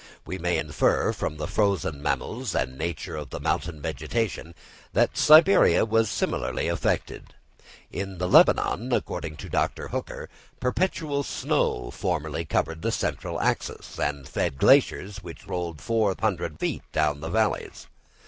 We may infer from the frozen mammals and nature of the mountain vegetation, that Siberia was similarly affected. In the Lebanon, according to Dr. Hooker, perpetual snow formerly covered the central axis, and fed glaciers which rolled 4,000 feet down the valleys.